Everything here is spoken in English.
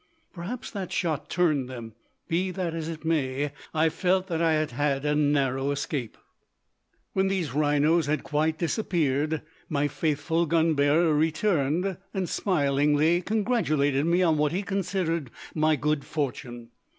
Perhaps that shot turned them. Be that as it may, I felt that I had had a narrow escape. When these rhinos had quite disappeared, my faithful gun bearer returned, and smilingly congratulated me on what he considered my good fortune.